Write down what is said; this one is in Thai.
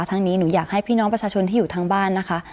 ทั้งนี้หนูอยากให้พี่น้องประชาชนที่อยู่ทางบ้านนะคะ